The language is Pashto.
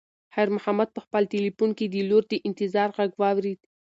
خیر محمد په خپل تلیفون کې د لور د انتظار غږ واورېد.